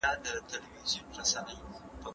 لاره ورکه سوه له سپي او له څښتنه